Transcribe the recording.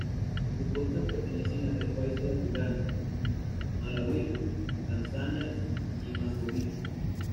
Sus costas pertenecen a tres países africanos: Malaui, Tanzania y Mozambique.